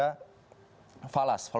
itu adalah hal yang terbalas